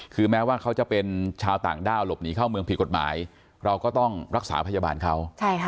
คือแม้ว่าเขาจะเป็นชาวต่างด้าวหลบหนีเข้าเมืองผิดกฎหมายเราก็ต้องรักษาพยาบาลเขา